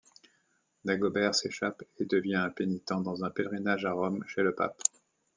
Dagobert s'échappe et devient un pénitent dans un pèlerinage à Rome chez le Pape.